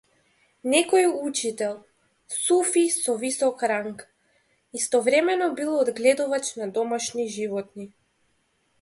Некој учител, суфи со висок ранг, истовремено бил одгледувач на домашни животни.